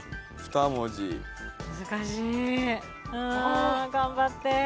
難しい。頑張って。